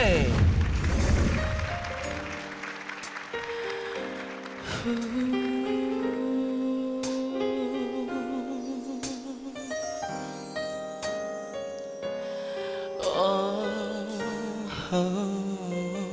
อยู่